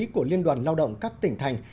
của liên đoàn lao động các tỉnh thành